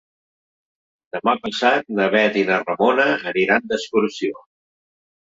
Demà passat na Bet i na Ramona aniran d'excursió.